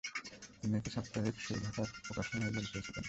তিনি একটি সাপ্তাহিক, সুধাকার প্রকাশনায় জড়িত ছিলেন।